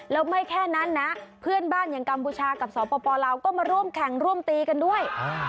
แล้วไม่แค่นั้นนะเพื่อนบ้านอย่างกัมพูชากับสปลาวก็มาร่วมแข่งร่วมตีกันด้วย